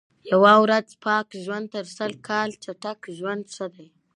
یوه ورځ پاک ژوند تر سل کال چټل ژوند ښه دئ.